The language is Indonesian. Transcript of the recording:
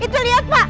itu liat pak